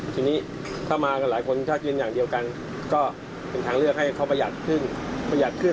ทีนี้ถ้ามากันหลายคนถ้ากินอย่างเดียวกันก็เป็นทางเลือกให้เขาประหยัดขึ้นประหยัดขึ้น